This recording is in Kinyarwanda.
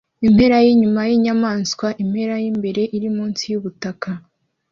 Impera yinyuma yinyamaswa impera yimbere iri munsi yubutaka